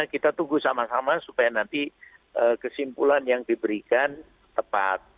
kita tunggu sama sama supaya nanti kesimpulan yang diberikan tepat